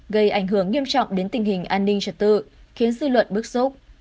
gây ảnh hưởng nghiêm trọng đến tình hình an ninh trật tự khiến dư luận bức xúc